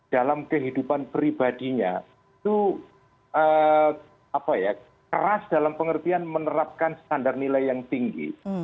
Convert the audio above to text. dalam kehidupan pribadinya itu keras dalam pengertian menerapkan standar nilai yang tinggi